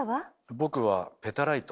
僕はペタライト。